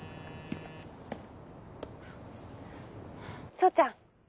彰ちゃん。